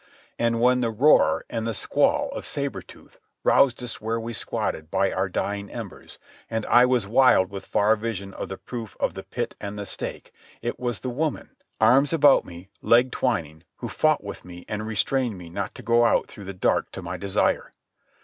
And when the roar and the squall of Sabre Tooth roused us where we squatted by our dying embers, and I was wild with far vision of the proof of the pit and the stake, it was the woman, arms about me, leg twining, who fought with me and restrained me not to go out through the dark to my desire.